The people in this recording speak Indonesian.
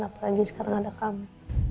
apalagi sekarang ada kamu